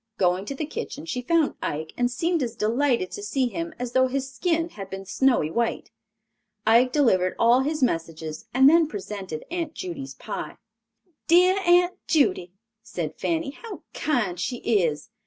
Going to the kitchen she found Ike and seemed as delighted to see him as though his skin had been snowy white. Ike delivered all his messages and then presented Aunt Judy's pie. "Dear Aunt Judy," said Fanny, "how kind she is."